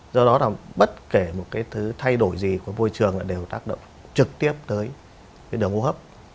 do đó là bất kể một cái thứ thay đổi gì của môi trường là đều tác động trực tiếp tới cái đường hô hấp